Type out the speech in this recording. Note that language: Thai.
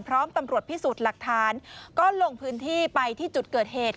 ตำรวจพิสูจน์หลักฐานก็ลงพื้นที่ไปที่จุดเกิดเหตุ